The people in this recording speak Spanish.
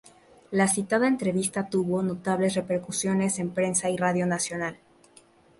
La citada entrevista tuvo notables repercusión en prensa y radio nacional.